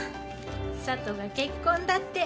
佐都が結婚だって。